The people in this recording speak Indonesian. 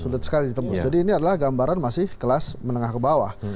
sulit sekali ditembus jadi ini adalah gambaran masih kelas menengah ke bawah